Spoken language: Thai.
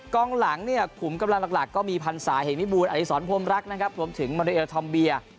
กองหลังเนี่ยขุมกำลังหลักก็มีพันศาเหมิบูรอิสรพรมรักนะครับรวมถึงมาริเอลทอมเบีย